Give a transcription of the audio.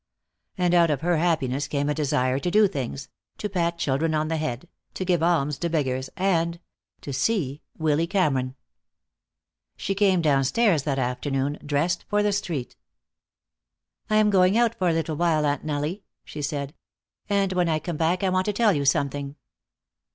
And out of her happiness came a desire to do kind things, to pat children on the head, to give alms to beggars, and to see Willy Cameron. She came downstairs that afternoon, dressed for the street. "I am going out for a little while, Aunt Nellie," she said, "and when I come back I want to tell you something."